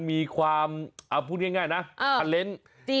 มีความเอาพูดง่ายนะคลินต์